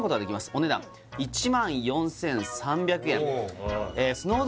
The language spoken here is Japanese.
お値段１４３００円